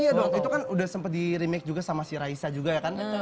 iya waktu itu kan udah sempat di remake juga sama si raisa juga ya kan